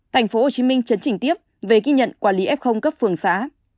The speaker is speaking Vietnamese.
tp hcm chấn chỉnh tiếp về ghi nhận quản lý f cấp phường xã